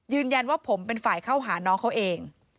ยืนยันว่าผมเป็นฝ่ายเข้าหาน้องเขาเอง